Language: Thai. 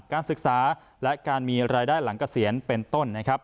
การศึกษาและการมีรายได้หลังเกษียณเป็นต้นนะครับ